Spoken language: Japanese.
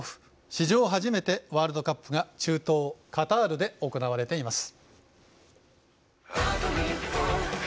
史上初めて、ワールドカップが中東カタールで行われています。